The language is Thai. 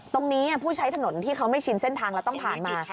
ตรงนี้ผู้ใช้ถนนที่เขาไม่ชินเส้นทางแล้วต้องผ่านมา